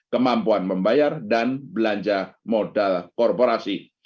kemampuan membayar dan belanja modal korporasi